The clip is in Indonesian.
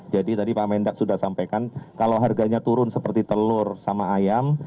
jadi tadi pak mendak sudah sampaikan kalau harganya turun seperti telur sama ayam